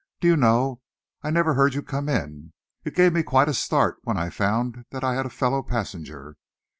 "Do you know, I never heard you come in. It gave me quite a start when I found that I had a fellow passenger."